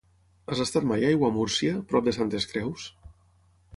Has estat mai a Aiguamúrcia, prop de Santes Creus?